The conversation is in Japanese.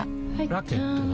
ラケットは？